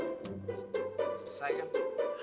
ya kita bisa ke rumah